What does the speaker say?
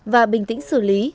và bình tĩnh xử lý